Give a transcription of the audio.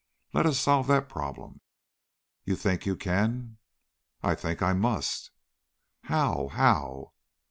Let us solve that problem." "You think you can?" "I think I must." "How? how?"